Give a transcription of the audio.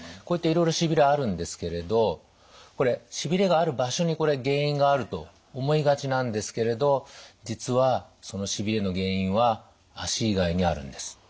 こういったいろいろしびれあるんですけれどこれしびれがある場所に原因があると思いがちなんですけれど実はそのしびれの原因は足以外にあるんです。